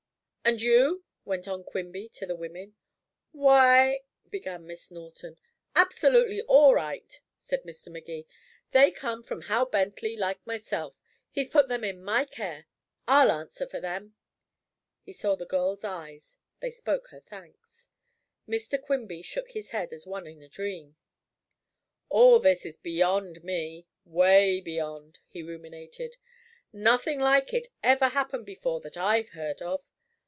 "And you?" went on Quimby to the women. "Why " began Miss Norton. "Absolutely all right," said Mr. Magee. "They come from Hal Bentley, like myself. He's put them in my care. I'll answer for them." He saw the girl's eyes; they spoke her thanks. Mr. Quimby shook his head as one in a dream. "All this is beyond me way beyond," he ruminated. "Nothing like it ever happened before that I've heard of.